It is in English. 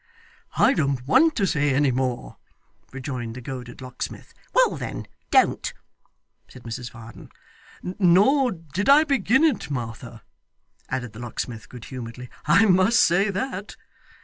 'I don't want to say any more,' rejoined the goaded locksmith. 'Well then, don't,' said Mrs Varden. 'Nor did I begin it, Martha,' added the locksmith, good humouredly, 'I must say that.